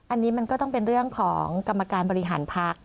อันนี้มันก็ต้องเป็นเรื่องของกรรมการบริหารพัก